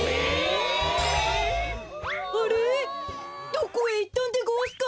どこへいったんでごわすか？